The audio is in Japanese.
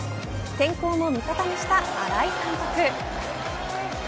天候も味方にした新井監督。